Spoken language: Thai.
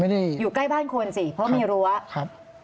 อยู่ใกล้บ้านคนสิเพราะมีรั้วครับ